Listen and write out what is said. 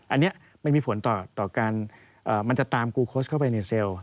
อันนี้มันมีผลต่อการมันจะตามกูโค้ชเข้าไปในเซลล์